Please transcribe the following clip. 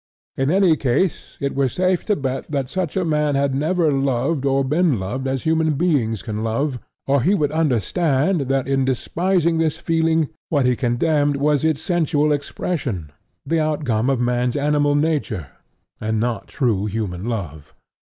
In any case it were safe to bet that such a man had never loved or been loved as human beings can love, or he would have understood that in despising this feeling, what he condemned was its sensual expression, the outcome of man's animal nature, and not true human love.